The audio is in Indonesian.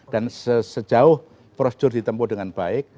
dan sejauh prosedur ditempuh dengan baik